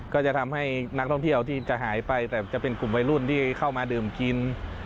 ก็จะทำให้นักท่องเที่ยวที่จะหายไปแต่จะเป็นกลุ่มวัยรุ่นที่เข้ามาดื่มกิน